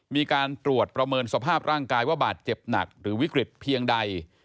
มีการตรวจประเมินสภาพร่างกายว่าบาดเจ็บหนักหรือวิกฤตเพียงใด